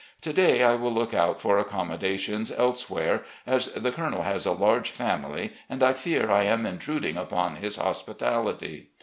To day I will look out for accom modations elsewhere, as the Colonel has a large family and I fear I am intruding upon his hospitality.